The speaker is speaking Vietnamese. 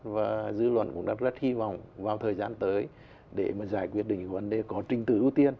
và dư luận cũng đã rất hy vọng vào thời gian tới để mà giải quyết được những vấn đề có trinh tử ưu tiên